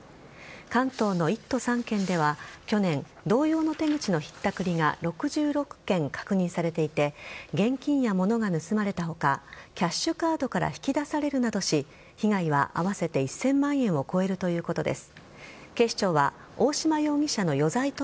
関東の１都３県では去年同様の手口のひったくりが６６件確認されていて現金や物が盗まれた他キャッシュカードから引き出されるなどし被害は合わせて１０００万円を超えるということです。